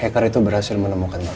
hacker itu berhasil menemukan